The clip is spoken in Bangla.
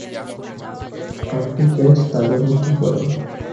আটটি ক্যাচ তালুবন্দী করেন।